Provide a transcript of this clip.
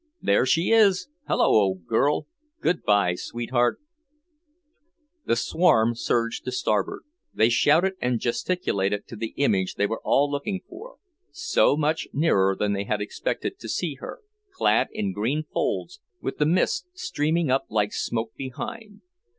"There she is!" "Hello, old girl!" "Good bye, sweetheart!" The swarm surged to starboard. They shouted and gesticulated to the image they were all looking for, so much nearer than they had expected to see her, clad in green folds, with the mist streaming up like smoke behind.